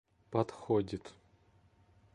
подходит